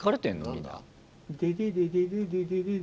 何だ？